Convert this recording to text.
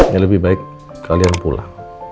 yang lebih baik kalian pulang